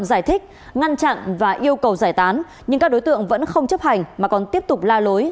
giải thích ngăn chặn và yêu cầu giải tán nhưng các đối tượng vẫn không chấp hành mà còn tiếp tục la lối